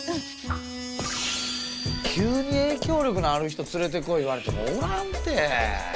急に影響力のある人連れてこい言われてもおらんて。